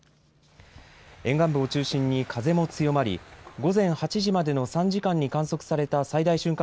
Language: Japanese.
沿岸部を中心に風も強まり午前８時までの３時間に観測された最大瞬間